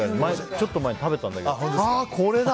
ちょっと前に食べたんだけどああ、これだ！